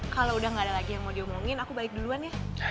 kalau udah gak ada lagi yang mau diomongin aku balik duluan ya